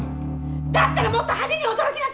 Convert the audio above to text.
だったらもっと派手に驚きなさいよ！